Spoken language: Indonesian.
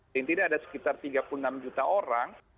paling tidak ada sekitar tiga puluh enam juta orang